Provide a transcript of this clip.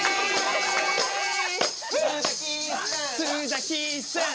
洲崎さん